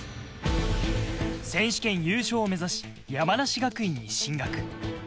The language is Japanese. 選手権優勝を目指し山梨学院に進学。